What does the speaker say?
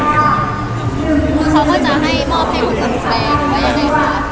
คือเขาก็จะให้มอบให้หมดกับแฟนหรือยังไงคะ